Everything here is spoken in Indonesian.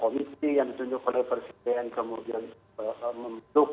dan mendorong pikir pingsih